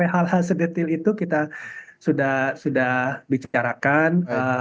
hal hal sedetil itu kita sudah bicarakan